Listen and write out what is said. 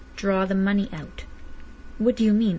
"Draw the money out!" "What do you mean?